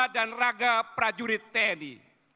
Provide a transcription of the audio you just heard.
dan raga prajurit tni